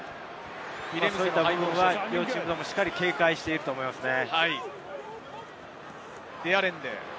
そういった部分は両チーム、警戒していくと思いますね。